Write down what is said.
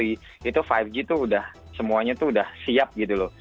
itu lima g itu udah semuanya tuh udah siap gitu loh